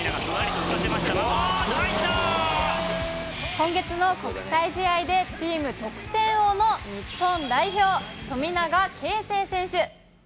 今月の国際試合でチーム得点王の日本代表、富永啓生選手。